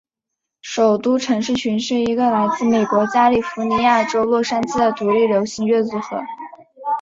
首都城市群是一个来自美国加利福尼亚州洛杉矶的独立流行乐组合。